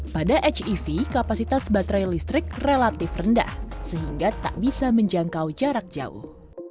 pada hev kapasitas baterai listrik relatif rendah sehingga tak bisa menjangkau jarak jauh